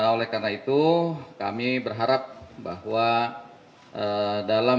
oleh karena itu kami berharap bahwa dalam